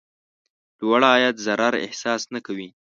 لوړ عاید ضرر احساس نه کوي.